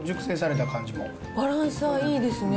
バランスがいいですね。